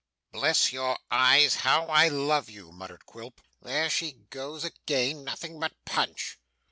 'Bless your eyes, how I love you,' muttered Quilp. 'There she goes again. Nothing but punch!